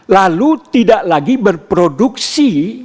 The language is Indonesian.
lalu tidak lagi berproduksi